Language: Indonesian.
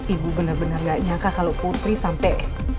ibu bener bener gak nyangka kalau putri sampai